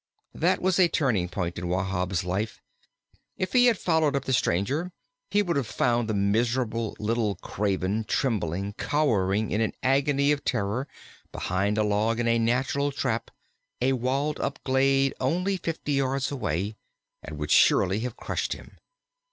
That was a turning point in Wahb's life. If he had followed up the stranger he would have found the miserable little craven trembling, cowering, in an agony of terror, behind a log in a natural trap, a walled in glade only fifty yards away, and would surely have crushed him.